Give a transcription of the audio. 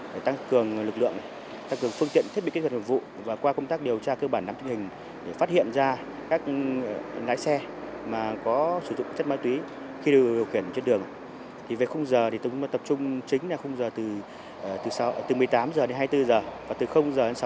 các lực lượng thuộc cục cảnh sát giao thông đã đồng loạt gia quân cao điểm xử lý nghiêm các trường hợp lái xe sử dụng ma túy chất kích thích trên các tuyến cao tốc trọng điểm